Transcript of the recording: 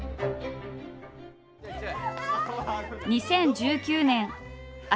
２０１９年朝